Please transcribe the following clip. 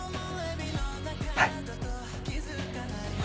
はい。